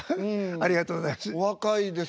ありがとうございます。